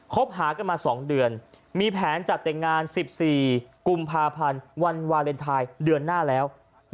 หากันมา๒เดือนมีแผนจัดแต่งงาน๑๔กุมภาพันธ์วันวาเลนไทยเดือนหน้าแล้ว